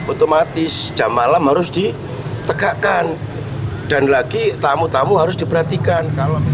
otomatis jam malam harus ditegakkan dan lagi tamu tamu harus diperhatikan